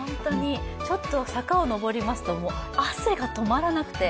ちょっと坂を上りますと汗が止まらなくて。